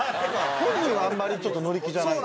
本人はあんまり乗り気じゃない。